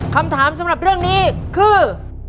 คำถามสำหรับเรื่องนี้คือ